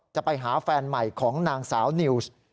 จะไปหาแฟนใหม่ของนางสาวนิวส์